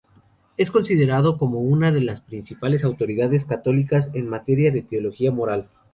Es considerado como una de las principales autoridades católicas en materia de teología moral.